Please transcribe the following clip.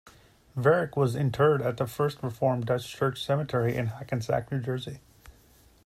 Varick was interred at the First Reformed Dutch Church Cemetery in Hackensack, New Jersey.